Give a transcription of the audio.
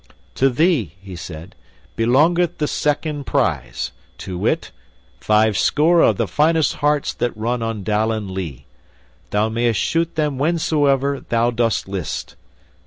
"To thee," he said, "belongeth the second prize, to wit, fivescore of the finest harts that run on Dallen Lea. Thou mayest shoot them whensoever thou dost list."